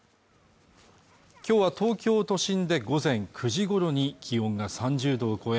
今日は東京都心で午前９時ごろに気温が３０度を超え